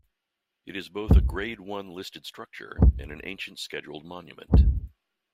It is both a Grade One listed structure and an ancient scheduled monument.